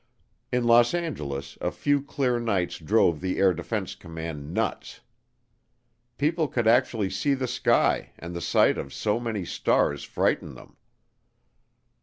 In Los Angeles, a few clear nights drove the Air Defense Command nuts. People could actually see the sky and the sight of so many stars frightened them.